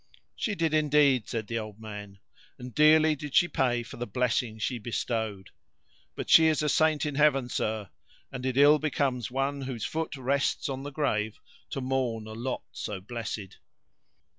"She did, indeed," said the old man, "and dearly did she pay for the blessing she bestowed. But she is a saint in heaven, sir; and it ill becomes one whose foot rests on the grave to mourn a lot so blessed.